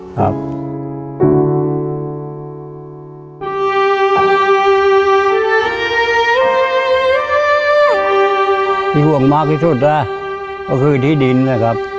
ที่ห่วงมากที่สุดนะก็คือที่ดินนะครับ